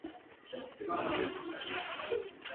ستا خو په خزان پسي بهار دی بیا به نه وینو..